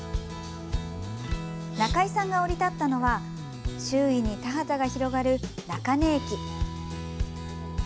中井さんが降り立ったのは周囲に田畑が広がる中根駅。